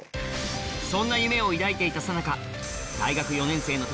そんな夢を抱いていた